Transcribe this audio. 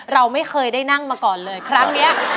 เราไม่เคยได้นั่งมาก่อนเลยครั้งนี้